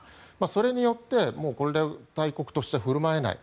それによって大国として振る舞えない。